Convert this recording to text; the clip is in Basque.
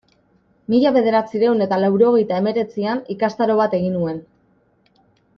Mila bederatziehun eta laurogeita hemeretzian ikastaro bat egin nuen.